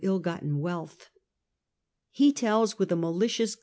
pj ill gotten wealth. He tells with a malicious EpAv'L.)